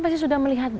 pasti sudah melihat